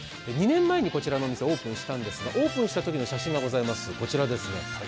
２年前にこちらのお店オープンしたんですが、オープンしたときの写真があります。